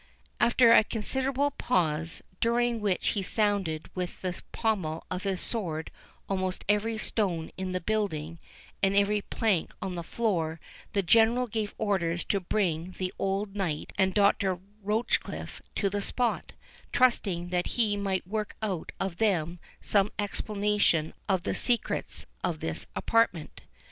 After a considerable pause, during which he sounded with the pommel of his sword almost every stone in the building, and every plank on the floor, the General gave orders to bring the old knight and Dr. Rochecliffe to the spot, trusting that he might work out of them some explanation of the secrets of this apartment.